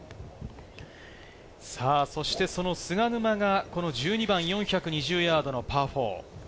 そして、その菅沼が１２番４２０ヤードのパー４。